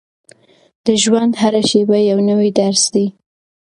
د ژوند هره شېبه یو نوی درس دی.